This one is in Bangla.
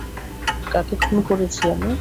কাকে খুন করেছি আমি?